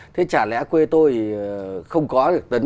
thế chả lẽ quê tôi không có được tấn